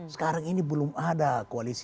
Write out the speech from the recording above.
sekarang ini belum ada koalisi